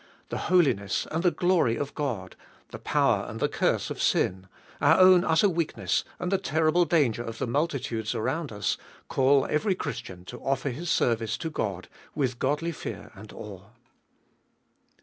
The holiness and the glory of God, the power and the curse of sin, our own utter weakness and the terrible danger of the multitudes around us, call every Christian to offer his service to God with godly fear and awe.